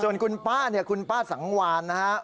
ส่วนคุณป้าเนี่ยคุณป้าสังวานนะฮะ